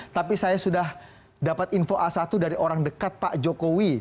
tapi saya sudah dapat info a satu dari orang dekat pak jokowi